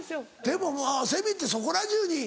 でもセミってそこら中に。